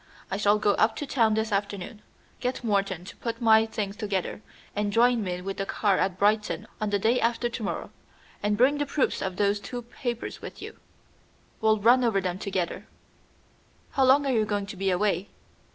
I shall go up to town this afternoon. Get Morton to put my things together, and join me with the car at Brighton on the day after to morrow. And bring the proofs of those two papers with you. We'll run over them together." "How long are you going to be away?"